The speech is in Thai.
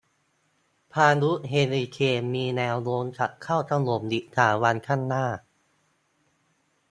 พายุเฮอริเคนมีมีแนวโน้มจะเข้าถล่มอีกสามวันข้างหน้า